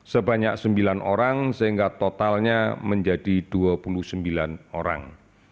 sebanyak sembilan orang sehingga totalnya menjadi dua puluh sembilan orang